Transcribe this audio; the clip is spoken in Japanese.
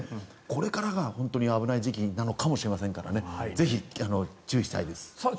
これからが本当に危ない時期なのかもしれませんからぜひ注意したいです。